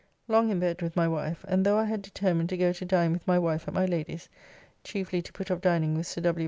Long in bed with my wife, and though I had determined to go to dine with my wife at my Lady's, (chiefly to put off dining with Sir W.